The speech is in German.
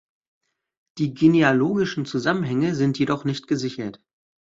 Die genealogischen Zusammenhänge sind jedoch nicht gesichert.